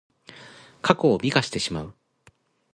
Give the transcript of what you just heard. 過去を美化してしまう。